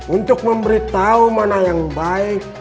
untuk memberitahu mana yang baik